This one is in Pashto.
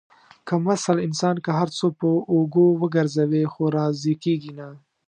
کم اصل انسان که هر څو په اوږو وگرځوې، خو راضي کېږي نه.